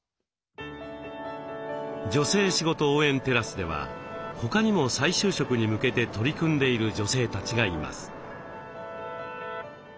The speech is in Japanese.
女性しごと応援テラスでは他にも再就職に向けて取り組んでいる女性たちがいます。